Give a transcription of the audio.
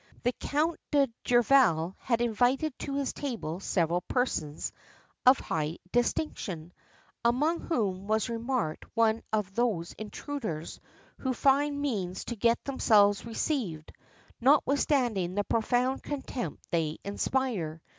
The Count de Gerval had invited to his table several persons of high distinction, among whom was remarked one of those intruders who find means to get themselves received, notwithstanding the profound contempt they inspire.